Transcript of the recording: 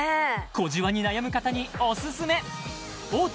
小じわに悩む方にオススメ大手